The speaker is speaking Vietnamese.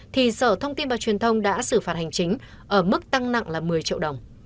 thì sở thông tin và truyền thông đã xử phạt hành chính ở mức tăng nặng là một mươi triệu đồng